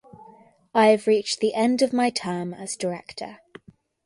I have reached the end of my term as director.